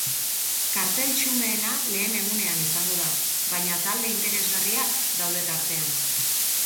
Kartel xumeena lehen egunean izango da, baina talde interesgarriak daude tartean.